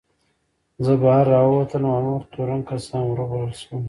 زه بهر راووتلم او نور تورن کسان ور وبلل شول.